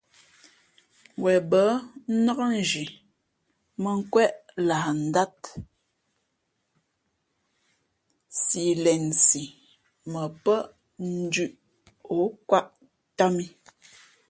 Wen bα̌ nnák nzhi mᾱnkwéʼ lah ndát si lensi mα pά ndʉ̄ʼ ǒ kwāʼ tām ī.